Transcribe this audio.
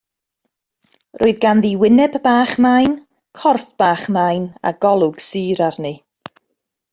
Roedd ganddi wyneb bach main, corff bach main a golwg sur arni.